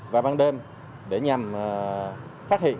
và ban đêm để nhằm phát hiện